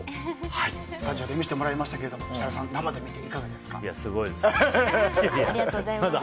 スタジオで見せてもらいましたが、設楽さんすごいですね。